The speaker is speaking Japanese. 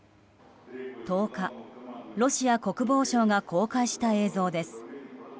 １０日、ロシア国防省が公開した映像です。